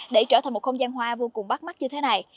để trở thành một không gian hoa vô cùng bắt mắt như thế này